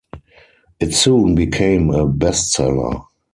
It soon became a bestseller.